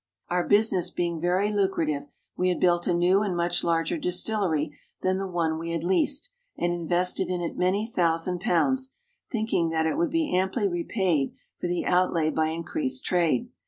Our business being very lucrative, we had built a new and much larger distillery than the one we had leased, and invested in it many thousand pounds, thinking that we would be amply repaid for the outlay by increased trade.